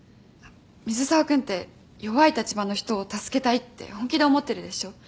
水沢君って弱い立場の人を助けたいって本気で思ってるでしょ。